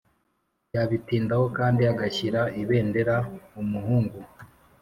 yabitindaho kandi agashyira ibendera umuhungu